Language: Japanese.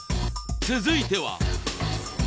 続いては。